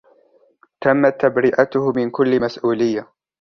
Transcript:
تمت تبرئته من كل مسؤولية.